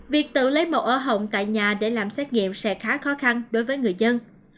việc tự lấy mẫu ở hồng tại nhà để làm xét nghiệm sẽ khá khó khăn đối với người dân